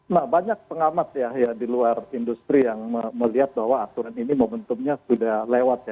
nah banyak pengamat ya di luar industri yang melihat bahwa aturan ini momentumnya sudah lewat ya